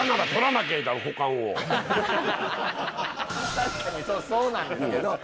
確かにそうそうなんですけど。